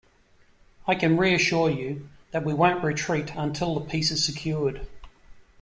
I can reassure you, that we won't retreat until the peace is secured.